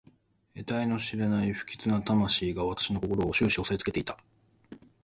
えたいの知れない不吉な魂が私の心を始終おさえつけていた。